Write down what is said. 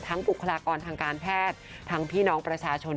บุคลากรทางการแพทย์ทั้งพี่น้องประชาชน